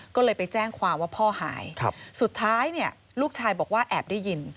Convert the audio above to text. ก็เลยไปแจ้งความว่าพ่อหายสุดท้ายเนี่ยลูกชายบอกว่าแอบได้ยิน